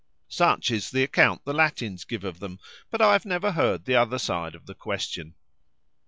Such is the account the Latins give of them, but I have never heard the other side of the question.